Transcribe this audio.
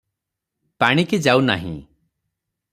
ପାଣିକି ଯାଉ ନାହିଁ ।